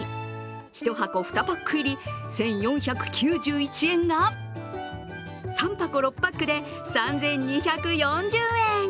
１箱２パック入り１４９１円が３箱６パックで３２４０円。